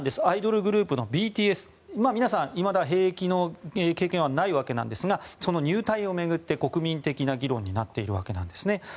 アイドルグループのＢＴＳ皆さん、いまだ兵役の経験はないわけなんですがその入隊を巡って国民的な議論になっているわけです。